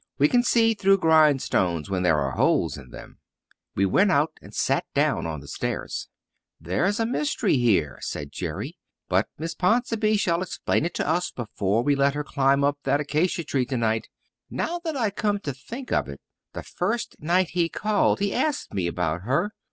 We can see through grindstones when there are holes in them! We went out and sat down on the stairs. "There's a mystery here," said Jerry, "but Miss Ponsonby shall explain it to us before we let her climb up that acacia tree tonight. Now that I come to think of it, the first night he called he asked me about her.